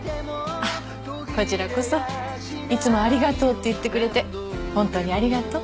こちらこそいつもありがとうって言ってくれて本当にありがとう。